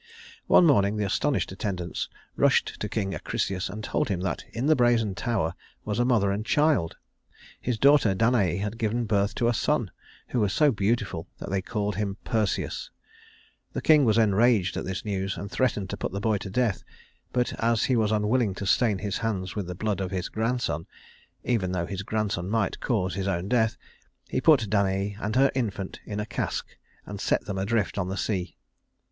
One morning the astonished attendants rushed to King Acrisius and told him that in the brazen tower was a mother and child his daughter Danaë had given birth to a son who was so beautiful that they called him Perseus. The king was enraged at this news, and threatened to put the boy to death; but as he was unwilling to stain his hands with the blood of his grandson even though this grandson might cause his own death he put Danaë and her infant in a cask, and set them adrift on the sea.